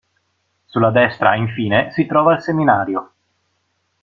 Sulla destra, infine, si trova il seminario.